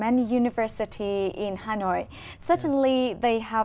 anh có biết tôi cũng hát hát hả